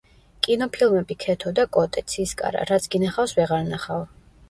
კინოფილმები „ქეთო და კოტე“, „ცისკარა“, „რაც გინახავს ვეღარ ნახავ“.